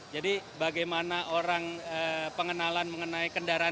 jadi bagaimana orang pengenalan mengenai kendaraan